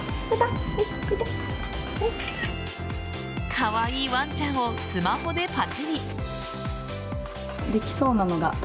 カワイイワンちゃんをスマホでパチリ。